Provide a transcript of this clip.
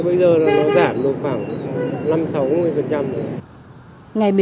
bây giờ là nó giảm được khoảng năm sáu mươi phần trăm rồi